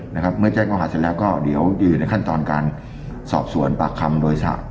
ไปฟังเสียงตำรวจกันสักนิดหนึ่งครับไปครับ